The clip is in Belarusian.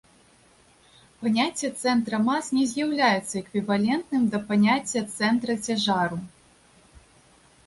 Паняцце цэнтра мас не з'яўляецца эквівалентным да паняцця цэнтра цяжару.